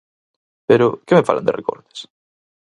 Pero ¿que me falan de recortes?